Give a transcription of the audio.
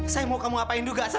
saya mau kamu apain juga